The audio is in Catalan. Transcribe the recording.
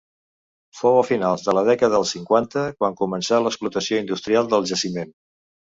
Fou a finals de la dècada dels cinquanta quan començà l'explotació industrial del jaciment.